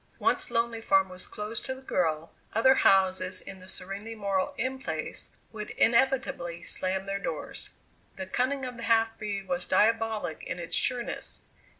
Once Lonely Farm was closed to the girl, other houses in the serenely moral In Place would inevitably slam their doors. The cunning of the half breed was diabolic in its sureness.